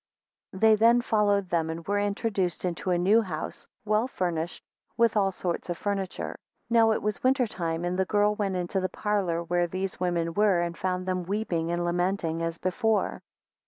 10 They then followed them, and were introduced into a new house, well furnished with all sorts of furniture. 11 Now it was winter time, and the girl went into the parlour where these women were, and found them weeping and lamenting as before.